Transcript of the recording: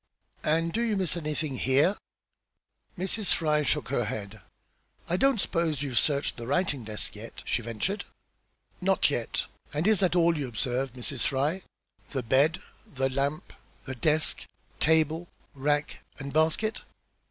"And do you miss anything here?" Mrs. Fry shook her head. "I don't s'pose you've searched the writing desk yet?" she ventured. "Not yet. And is that all you observe, Mrs. Fry? The bed, the lamp, the desk, table, rack, and basket?"